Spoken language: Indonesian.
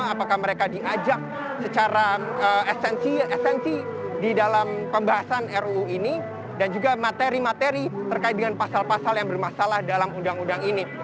apakah mereka diajak secara esensi di dalam pembahasan ruu ini dan juga materi materi terkait dengan pasal pasal yang bermasalah dalam undang undang ini